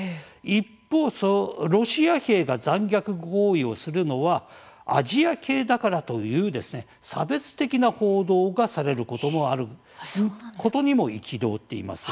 一方、ロシア兵が残虐行為をするのはアジア系だからという差別的な報道がされることもあることにも憤っています。